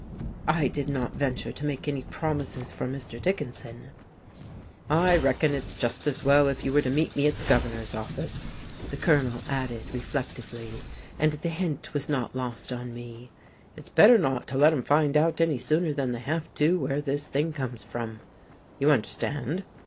I did not venture to make any promises for Mr. Dickinson. "I reckon it's just as well if you were to meet me at the Governor's office," the Colonel added reflectively, and the hint was not lost on me. "It's better not to let 'em find out any sooner than they have to where this thing comes from, you understand."